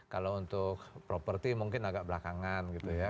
kalau untuk properti mungkin agak belakangan gitu ya